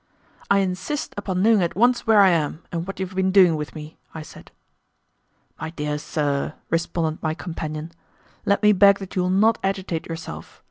"I insist upon knowing at once where I am and what you have been doing with me," I said. "My dear sir," responded my companion, "let me beg that you will not agitate yourself.